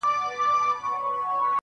• په مخه دي د اور ګلونه.